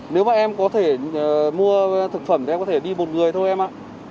nếu mà em có thể mua thực phẩm thì em có thể đi một người thôi em ạ